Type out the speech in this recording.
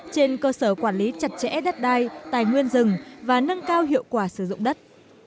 trên cơ sở quản lý chặt chẽ đất đai tài nguyên rừng và nâng cao hiệu quả sử dụng đất